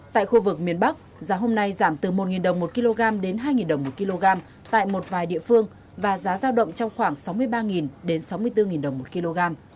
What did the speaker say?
tại khu vực miền bắc giá hôm nay giảm từ một đồng một kg đến hai đồng một kg tại một vài địa phương và giá giao động trong khoảng sáu mươi ba đến sáu mươi bốn đồng một kg